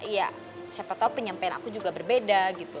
ya siapa tau penyampaian aku juga berbeda gitu